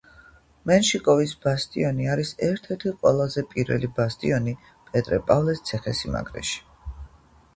მენშიკოვის ბასტიონი არის ერთ-ერთი ყველაზე პირველი ბასტიონი პეტრე-პავლეს ციხესიმაგრეში.